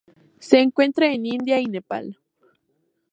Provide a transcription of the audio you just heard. Se encuentran en India y Nepal.